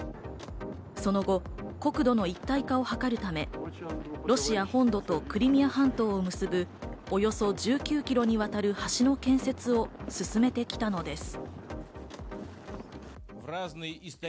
その後、国土の一体化を図るため、ロシア本土とクリミア半島を結ぶ、およそ１９キロにわたる橋の建設を進めてきたのです。